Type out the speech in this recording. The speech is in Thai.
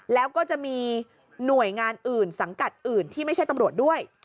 แล้วก็จะมีหน่วยงานอื่นสังกัดอื่นที่ไม่ใช่ตำรวจด้วย